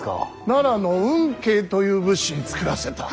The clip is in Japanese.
奈良の運慶という仏師に作らせた。